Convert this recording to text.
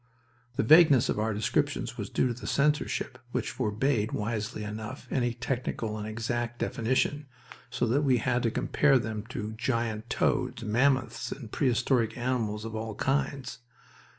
The vagueness of our descriptions was due to the censorship, which forbade, wisely enough, any technical and exact definition, so that we had to compare them to giant toads, mammoths, and prehistoric animals of all kinds.